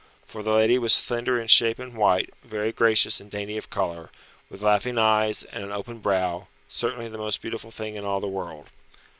For the lady was slender in shape and white, very gracious and dainty of colour, with laughing eyes and an open brow, certainly the most beautiful thing in all the world.